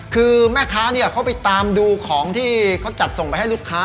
คือแม่ค้าเขาไปตามดูของที่เขาจัดส่งไปให้ลูกค้า